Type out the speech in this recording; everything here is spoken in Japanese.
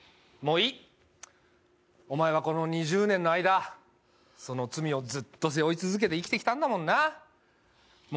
お前はこの２０年の間、その罪をずっと背負い続けて生きてきたんだもんな。